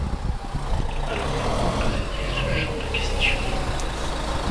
Alors, pourquoi posait-il ce genre de questions?